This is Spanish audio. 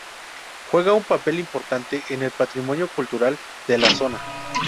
Juega un papel importante en el patrimonio cultural de la zona.